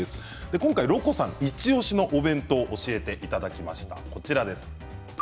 今回、ろこさんイチおしのお弁当を教えていただきました。